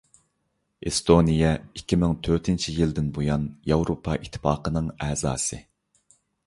ئېستونىيە ئىككى مىڭ تۆتىنچى يىلىدىن بۇيان ياۋروپا ئىتتىپاقىنىڭ ئەزاسى.